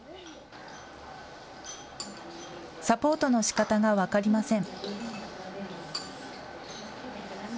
サポートのしかたが分かりません。